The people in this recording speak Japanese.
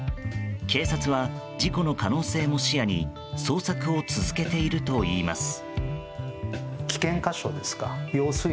警察は、事故の可能性も視野に捜索を続けているといいます。